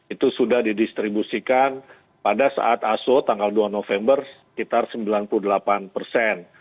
itu sudah didistribusikan pada saat aso tanggal dua november sekitar sembilan puluh delapan persen